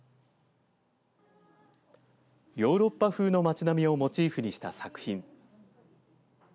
ヨーロッパ風の町並みをモチーフにした作品。